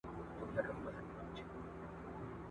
په ځنګله ننوتلی وو بېغمه !.